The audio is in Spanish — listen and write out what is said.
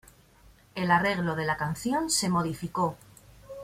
El arreglo de la canción se modificó.